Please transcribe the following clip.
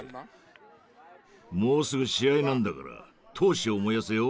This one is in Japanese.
もうすぐ試合なんだから闘志を燃やせよ。